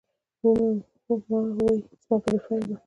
ما وې زما پروفائيل به